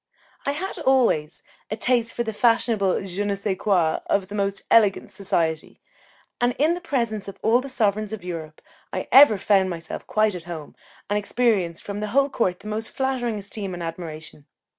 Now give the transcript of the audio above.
I had always a taste for the fashionable je ne sais quoi of the most elegant society, and in the presence of all the sovereigns of Europe I ever found myself quite at home, and experienced from the whole court the most flattering esteem and admiration.